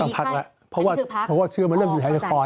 ต้องพักละเพราะว่าเชื้อมันเริ่มอยู่แถวในข่อน